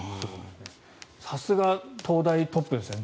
さすが、東大トップですね。